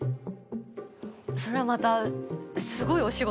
それまたすごいお仕事ですね。